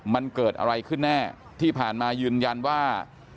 มันเกิดอะไรขึ้นแน่ที่ผ่านมายืนยันว่า